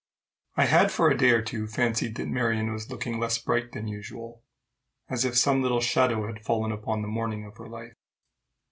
I had for a day or two fancied that Marion was looking less bright than usual, as if some little shadow had fallen upon the morning of her life.